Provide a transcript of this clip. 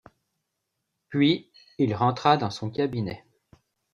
Puis, il rentra dans son cabinet.